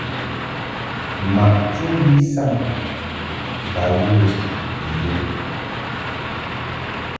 Maʼti mvi saŋ ba ghə bi yə.